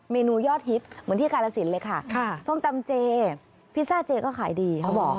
เมนูยอดฮิตเหมือนที่กาลสินเลยค่ะส้มตำเจพิซซ่าเจก็ขายดีเขาบอก